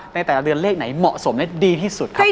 ในแต่ละเดือนเลขไหนเหมาะสมและดีที่สุดครับ